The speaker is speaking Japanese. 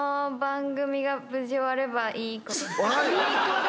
いい子だね。